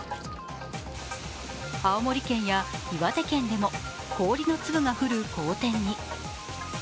青森県や岩手県でも、氷の粒が降る荒天に。